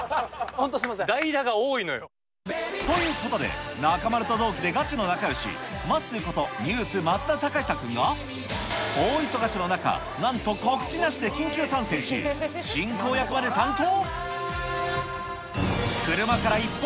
代打が多いのよ。ということで、中丸と同期でガチの仲よし、まっすーこと、ＮＥＷＳ・増田貴久君が、大忙しの中、なんと告知なしで緊急参戦し、進行役まで担当。